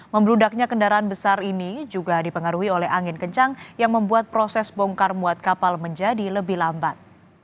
membludaknya kendaraan besar ini juga dipengaruhi oleh angin kencang yang membuat proses bongkar muat kapal menjadi lebih lambat